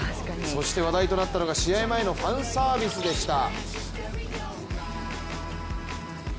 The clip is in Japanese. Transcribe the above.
そして話題となったのが試合前のファンサービスでした。